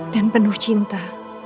dan penuh cinta